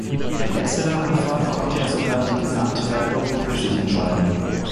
Bei letzterer Rundfahrt konnte er sogar die Gesamtwertung für sich entscheiden.